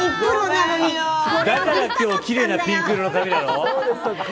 だから今日奇麗なピンク色の髪なの。